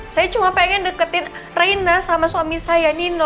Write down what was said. saya cuma pengen deketin raina sama suami saya nino